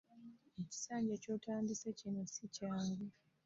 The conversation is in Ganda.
Ekisanja ky'otandise kino si kyangu.